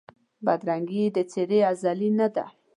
بدرنګي یې د څېرې ازلي نه ده